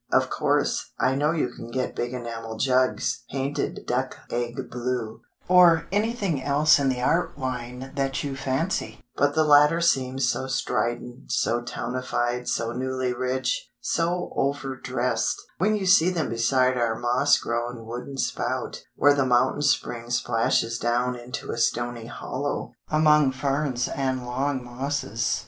Of course, I know you can get big enamel jugs (painted duck egg blue, or anything else in the art line that you fancy); but the latter seems so strident, so townified, so newly rich, so over dressed, when you see them beside our moss grown wooden spout, where the mountain spring splashes down into a stony hollow, among ferns and long mosses.